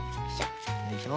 よいしょ。